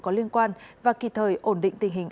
có liên quan và kịp thời ổn định tình hình